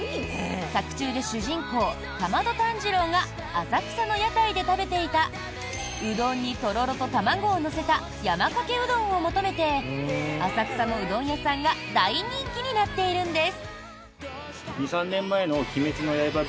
作中で主人公・竈門炭治郎が浅草の屋台で食べていたうどんにとろろと卵を乗せた山かけうどんを求めて浅草のうどん屋さんが大人気になっているんです。